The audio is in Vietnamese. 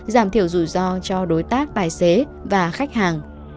giảm thiểu rủi ro cho đối tác tài xế và khách hàng